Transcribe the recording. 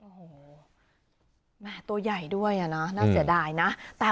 โอ้โหแม่ตัวใหญ่ด้วยอ่ะนะน่าเสียดายนะ